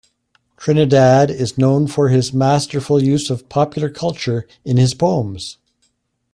Trinidad is known for his masterful use of popular culture in his poems.